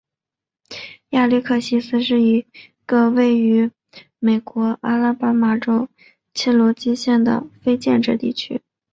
亚历克西斯是一个位于美国阿拉巴马州切罗基县的非建制地区。